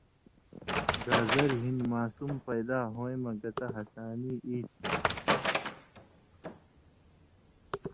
گازریۡ ہِن ماسُم پیدا ہویں مہ گتہ ہسانی ای تھی۔